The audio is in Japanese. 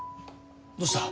どうした？